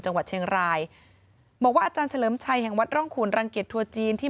จังหวัดเชียงรายบอกว่าอาจารย์เฉลิมชัยแห่งวัดร่องขุนรังเกียจทัวร์จีนที่